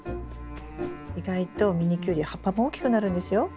意外とミニキュウリ葉っぱも大きくなるんですよ。